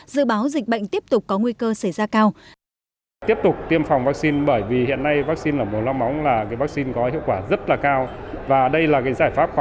dự báo dịch bệnh tiếp tục có nguy cơ xảy ra cao